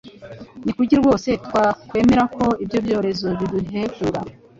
Ni kuki rwose twakwemera ko ibyo byorezo biduhekura